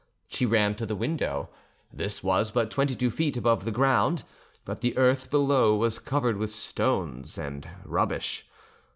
She ran to the window: this was but twenty two feet above the ground, but the earth below was covered with stones and rubbish.